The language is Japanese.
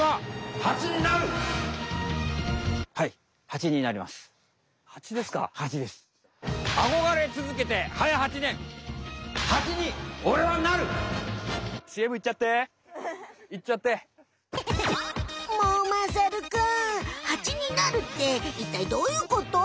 ハチになるっていったいどういうこと？